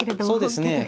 そうですね。